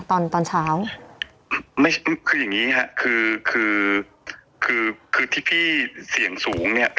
ตอนเช้า